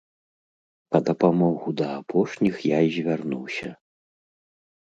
Па дапамогу да апошніх я і звярнуся.